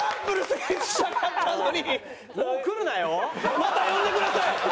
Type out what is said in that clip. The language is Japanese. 絶対にまた呼んでください！